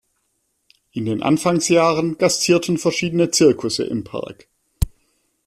In den Anfangsjahren gastierten verschiedene Zirkusse im Park.